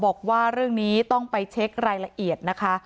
บอกว่าเรื่องนี้ต้องไปเช็ครายละเอียดนะคะ